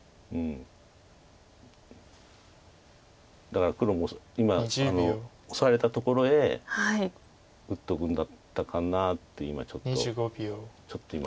だから黒も今オサれたところへ打っとくんだったかなってちょっと今。